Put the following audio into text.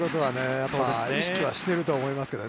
やっぱり意識はしていると思いますけどね。